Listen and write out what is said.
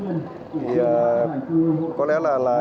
thì có lẽ là